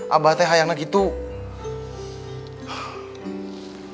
abah teh hayang lagi tuh